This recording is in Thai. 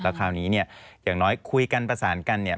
แล้วคราวนี้อย่างน้อยคุยกันประสานกันเนี่ย